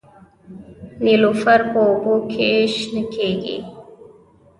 نیلوفر په اوبو کې شنه کیږي